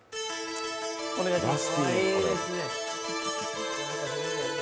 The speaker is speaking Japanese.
お願いします。